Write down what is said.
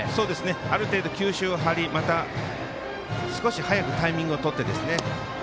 ある程度、球種を張りまた、少し早くタイミングを取ってですね。